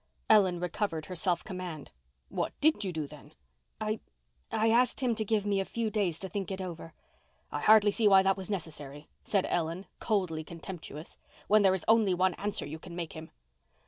Ellen recovered her self command. "What did you do then?" "I—I asked him to give me a few days to think it over." "I hardly see why that was necessary," said Ellen, coldly contemptuous, "when there is only the one answer you can make him."